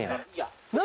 何？